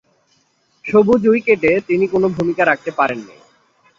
সবুজ উইকেটে তিনি কোন ভূমিকা রাখতে পারেননি।